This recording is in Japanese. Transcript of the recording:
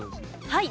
はい。